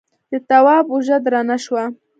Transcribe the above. د تواب اوږه درنه شوه.